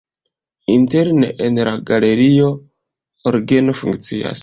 Interne en la galerio orgeno funkcias.